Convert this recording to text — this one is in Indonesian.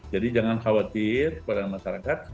jadi jangan khawatir pada masyarakat